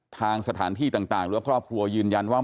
ทางสถานที่ต่างหรือควัวพลังยืนยันว่า